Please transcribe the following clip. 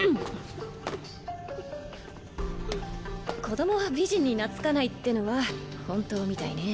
子どもは美人に懐かないってのは本当みたいね。